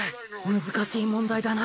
難しい問題だな。